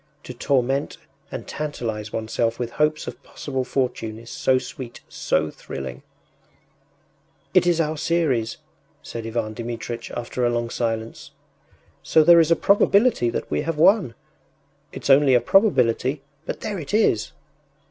To torment and tantalize oneself with hopes of possible fortune is so sweet, so thrilling! “It is our series,” said Ivan Dmitritch, after a long silence. “So there is a probability that we have won. It’s only a probability, but there it is!